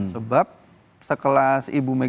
sebab sekelas ibu megawa